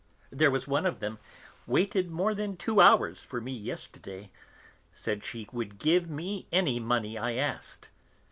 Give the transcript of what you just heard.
"There was one of them waited more than two hours for me yesterday, said she would give me any money I asked.